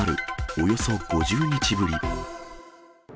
およそ５０日ぶり。